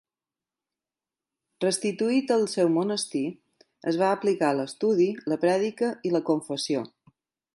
Restituït al seu monestir es va aplicar a l'estudi, la prèdica i la confessió.